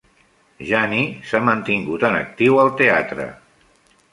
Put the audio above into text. Janney s"ha mantingut en actiu al teatre.